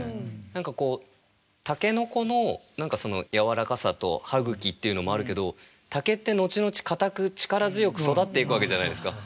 何かこう竹の子のやわらかさと歯ぐきっていうのもあるけど竹って後々かたく力強く育っていくわけじゃないですか。